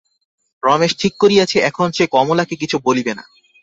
রমেশ ঠিক করিয়াছে, এখন সে কমলাকে কিছু বলিবে না।